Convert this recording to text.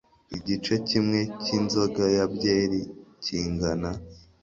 igice kimwe cyinzoga ya byeri kingana